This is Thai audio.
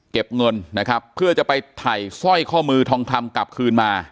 เก็บเงินนะครับเพื่อจะไปถ่ายสร้อยข้อมือทองคำกลับคืนมา